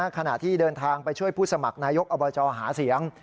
ขณะที่เดินทางไปช่วยผู้สมัครนายกอบจหาเสียง